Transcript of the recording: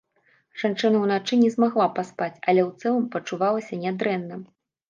Жанчына ўначы не змагла паспаць, але ў цэлым пачувалася нядрэнна.